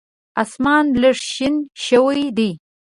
اسمان لږ شین شوی دی .